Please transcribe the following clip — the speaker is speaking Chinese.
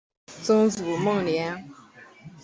曾祖孟廉。